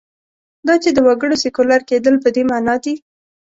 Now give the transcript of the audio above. دا چې د وګړو سیکولر کېدل په دې معنا دي.